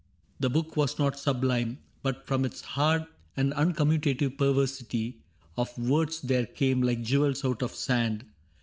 The book was not sublime, but from its hard And uncommutative perversity Of words there came, like jewels out of sand.